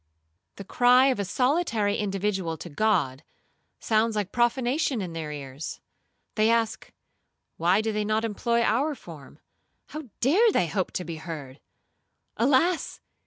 The cry of a solitary individual to God, sounds like profanation in their ears. They ask, Why do they not employ our form? How dare they hope to be heard? Alas!